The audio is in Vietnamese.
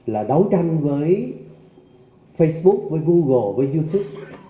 là đấu tranh với facebook với google với youtube